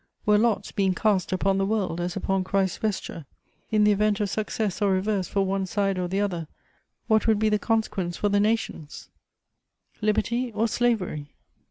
Were lots being cast upon the world, as upon Christ's vesture? In the event of success or reverse for one side or the other, what would be the consequence for the nations: liberty or slavery?